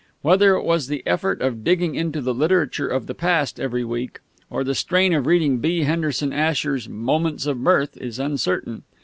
Whether it was the effort of digging into the literature of the past every week, or the strain of reading B. Henderson Asher's "Moments of Mirth" is uncertain.